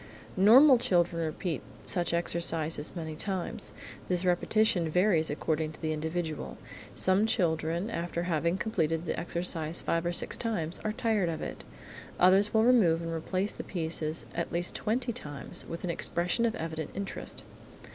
Normal children repeat such exercises many times. This repetition varies according to the individual. Some children after having completed the exercise five or six times are tired of it. Others will remove and replace the pieces at least twenty times, with an expression of evident interest.